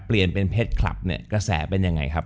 เปลี่ยนเป็นเพชรคลับเนี่ยกระแสเป็นยังไงครับ